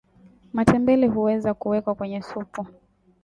matembele huweza kuwekwa kwenye supu